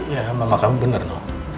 ya mama kamu bener loh